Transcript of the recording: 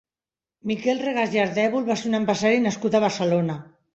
Miquel Regàs i Ardèvol va ser un empresari nascut a Barcelona.